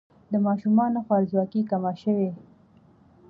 د ماشومانو خوارځواکي کمه شوې؟